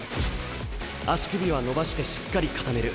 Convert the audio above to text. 足首は伸ばしてしっかり固める。